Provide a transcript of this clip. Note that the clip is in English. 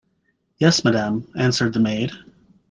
"Yes, madame," answered the maid.